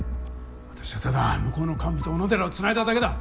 私はただ向こうの幹部と小野寺を繋いだだけだ！